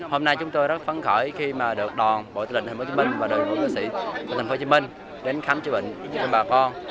hôm nay chúng tôi rất phấn khởi khi được đoàn bộ tư lệnh tp hcm và đội ngũ sĩ tp hcm đến khám chữa bệnh cho bà con